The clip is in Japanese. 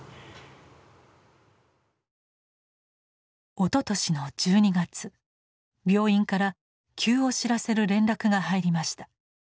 おととしの１２月病院から急を知らせる連絡が入りました。